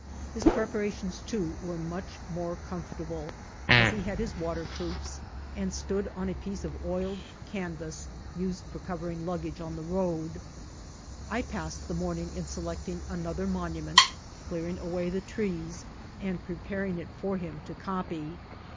His preparations, too, were much more comfortable, as )ie had his water proofiB, and stood on a piece of oiled canvass, used for covering luggage on the road. I passed the morning in selecting another monument, clearing away the trees, and preparing it for him to copy.